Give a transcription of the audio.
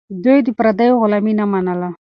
دوی د پردیو غلامي نه منله.